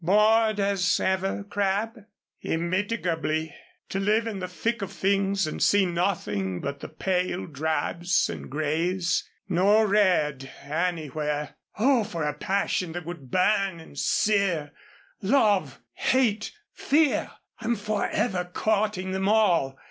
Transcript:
"Bored as ever, Crabb?" "Immitigably. To live in the thick of things and see nothing but the pale drabs and grays. No red anywhere. Oh, for a passion that would burn and sear love, hate, fear! I'm forever courting them all.